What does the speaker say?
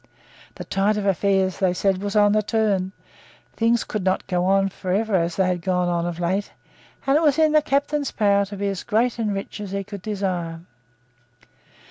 The tide of affairs, they said, was on the turn, things could not go on for ever as they had gone on of late and it was in the captain's power to be as great and as rich as he could desire.